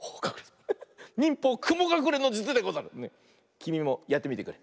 きみもやってみてくれ。